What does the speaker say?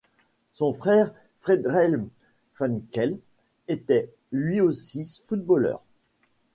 Son frère, Friedhelm Funkel, était lui aussi footballeur.